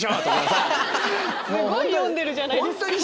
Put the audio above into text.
すごい読んでるじゃないですか。